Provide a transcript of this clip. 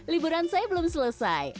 liburan saya belum selesai